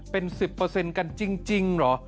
เป็น๑๐กันจริงเหรอ